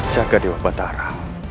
jaga dewa batara